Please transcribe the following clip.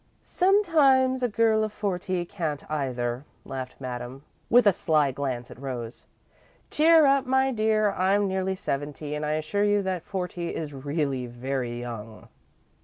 "Sometimes a girl of forty can't, either," laughed Madame, with a sly glance at Rose. "Cheer up, my dear I'm nearing seventy, and I assure you that forty is really very young."